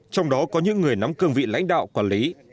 trong đó có những người nắm cương vị lãnh đạo quản lý